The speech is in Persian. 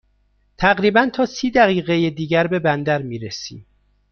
تقریباً تا سی دقیقه دیگر به بندر می رسیم.